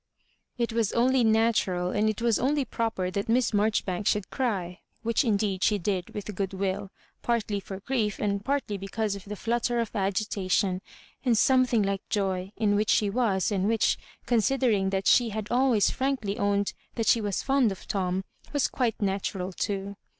It was only natural, and it was only proper that Mids Maijoribanks should cry, which indeed she did with good will, partly for grie^ and partly because of the flutter of agitation, and something like joy, in which she was, and which, considering that she had always frankly owned that she was fond of Tom, was quite natural too.